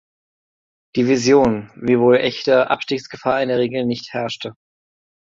Division, wiewohl echte Abstiegsgefahr in der Regel nicht herrschte.